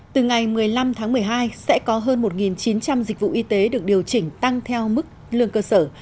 từ ngày một mươi năm tháng một mươi hai sẽ có hơn một chín trăm linh dịch vụ y tế được điều chỉnh tăng theo mức lương cơ sở